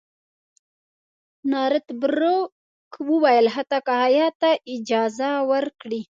نارت بروک وویل حتی که هیات ته اجازه ورکړي.